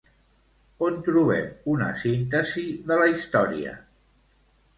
On trobem una síntesi de la història?